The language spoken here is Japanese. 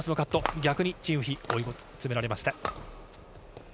逆にチン・ウヒ、追い詰められました。